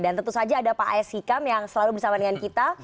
dan tentu saja ada pak aes hikam yang selalu bersama dengan kita